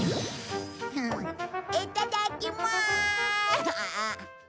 いただきま。